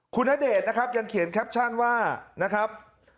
คุณณเดชน์นะครับยังเขียนแคปชั่นว่านะครับ